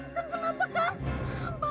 kang apa yang terjadi